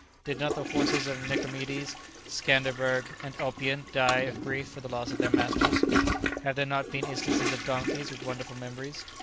Did not the horses of Nicomedes, Scanderberg and Oppian die of grief for the loss of their masters? Have there not been instances of donkeys with wonderful memories?